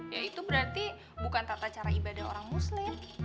ya itu berarti bukan tata cara ibadah orang muslim